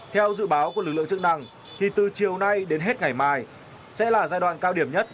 theo dự báo của lực lượng chức năng thì từ chiều nay đến hết ngày mai sẽ là giai đoạn cao điểm nhất